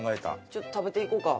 ちょっと食べていこうか。